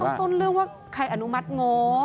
ต้นเรื่องว่าใครอนุมัติง้อ